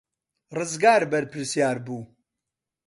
ڕزگار بەرپرسیار بوو.